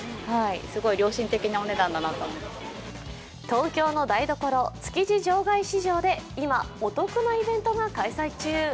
東京の台所、築地場外市場で今、お得なイベントが開催中。